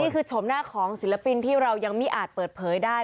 ชมหน้าของศิลปินที่เรายังไม่อาจเปิดเผยได้